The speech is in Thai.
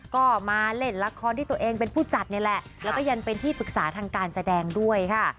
ก็มาเล่นละครที่ตัวเองเป็นผู้จัดนี่แหละแล้วก็ยังเป็นที่ปรึกษาทางการแสดงด้วยค่ะ